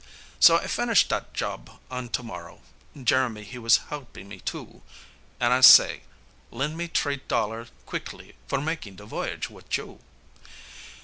So I finish dat job on to morrow, Jeremie he was helpin' me too, An' I say, "Len' me t'ree dollar quickly for mak' de voyage wit' you."